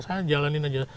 saya jalanin aja